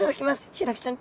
ヒイラギちゃん